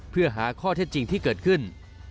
เพื่อหาข้อเท็จจริงที่เกิดขึ้น